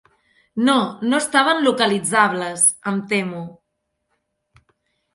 No, no estaven localitzables, em temo.